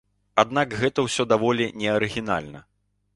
Аднак гэта ўсё даволі неарыгінальна.